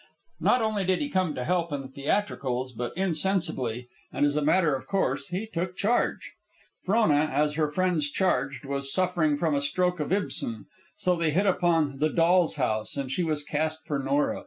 Not only did he come to help in the theatricals, but insensibly, and as a matter of course, he took charge. Frona, as her friends charged, was suffering from a stroke of Ibsen, so they hit upon the "Doll's House," and she was cast for Nora.